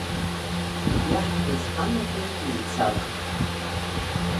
Иаҳҳәаз ҳанаҳәоит еицак.